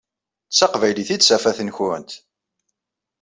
D taqbaylit i d tafat-nkent.